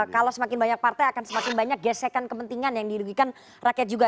kalau semakin banyak partai akan semakin banyak gesekan kepentingan yang dirugikan rakyat juga